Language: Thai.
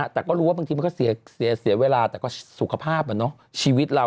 แต่ก็รู้ว่าบางทีมันก็เสียเวลาแต่ก็สุขภาพชีวิตเรา